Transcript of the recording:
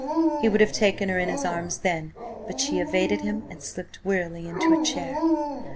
He would have taken her in his arms then, but she evaded him and slipped wearily into a chair.